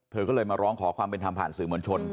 เธอก็เลยมาร้องขอความเป็นธรรมผ่านสื่อมวลชน